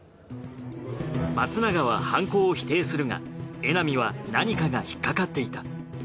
松永は犯行を否定するが江波は何かが引っかかっていた。